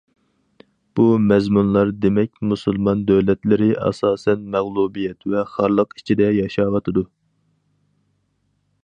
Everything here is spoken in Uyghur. بۇ مەزمۇنلار دېمەك، مۇسۇلمان دۆلەتلىرى ئاساسەن« مەغلۇبىيەت ۋە خارلىق ئىچىدە» ياشاۋاتىدۇ.